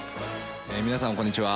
皆さん、こんにちは。